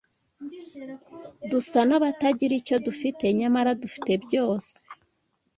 dusa n’abatagira icyo dufite nyamara dufite byose